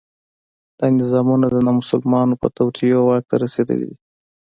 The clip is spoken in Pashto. دا نظامونه د نامسلمانو په توطیو واک ته رسېدلي دي.